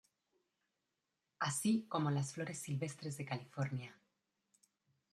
Así como las flores silvestres de California.